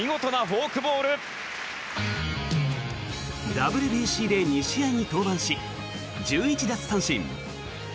ＷＢＣで２試合に登板し１１奪三振。